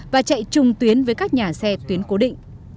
và chạy chung tuyến với các nhà xe tuyến cố định